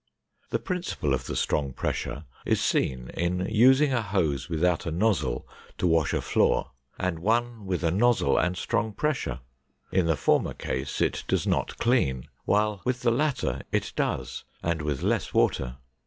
The principle of the strong pressure is seen in using a hose without a nozzle to wash a floor and one with a nozzle and strong pressure. In the former case it does not clean, while with the latter it does and with less water.